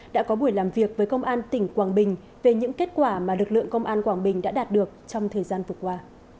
đã có buổi làm việc với công an tỉnh quảng bình về những kết quả mà lực lượng công an quảng bình đã đạt được trong thời gian vừa qua